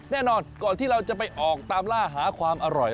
แน่นอนก่อนที่เราจะไปออกตามล่าหาความอร่อย